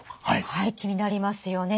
はい気になりますよね。